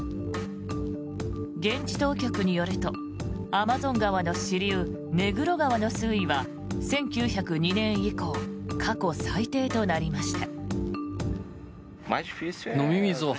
現地当局によるとアマゾン川の支流ネグロ川の水位は１９０２年以降過去最低となりました。